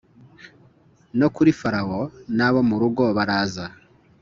no kuri Farawo n abo mu rugo baraza